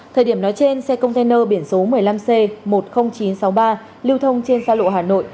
thời điểm nói trên xe container biển số một mươi năm c một mươi nghìn chín trăm sáu mươi ba lưu thông trên xa lộ hà nội